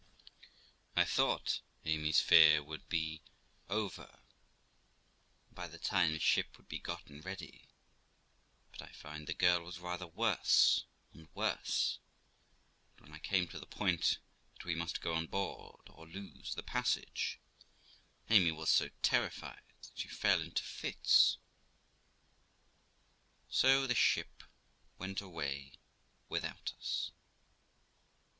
I thought Amy's fear would have been over by that time the ship would be gotten ready, but I found the girl was rather worse and worse; and when I came to the point that we must go on board or lose the passage, Amy was so terrified that she fell into fits; so the ship went away without us.